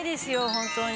本当に。